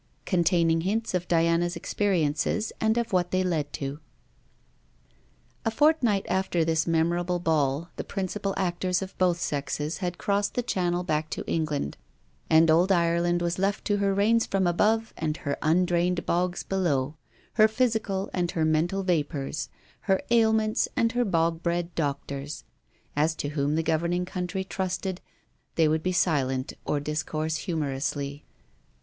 CONTAINING HINTS OF DIANA'S EXPERIENCES AND OF WHAT THEY LED TO A fortnight after this memorable Ball the principal actors of both sexes had crossed the Channel back to England, and old Ireland was left to her rains from above and her undrained bogs below; her physical and her mental vapours; her ailments and her bog bred doctors; as to whom the governing country trusted they would be silent or discourse humorously.